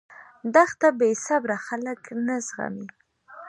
دښته بېصبره خلک نه زغمي.